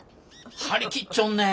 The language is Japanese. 張り切っちょんねえ。